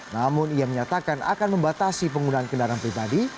namun ia menyatakan akan membatasi penggunaan kendaraan pribadi